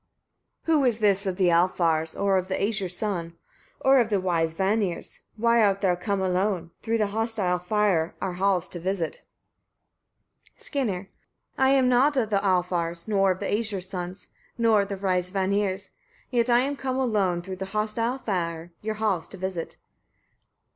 17. Who is this of the Alfar's, or of the Æsir's sons, or of the wise Vanir's? Why art thou come alone, through the hostile fire, our halls to visit? Skirnir. 18. I am not of the Alfar's, nor of the Æsir's sons, nor of the wise Vanir's; yet I am come alone, through the hostile fire, your halls to visit.